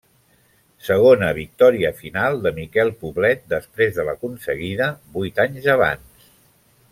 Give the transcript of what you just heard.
Segona victòria final de Miquel Poblet després de l'aconseguida vuit anys abans.